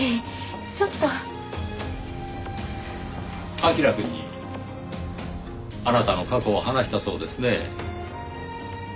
彬くんにあなたの過去を話したそうですねぇ。